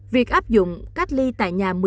việc áp dụng cách ly tại nhà